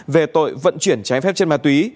về tội vận chuyển trái phép trên ma túy